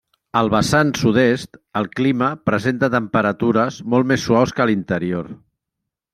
Al vessant sud-est, el clima presenta temperatures molt més suaus que a l'interior.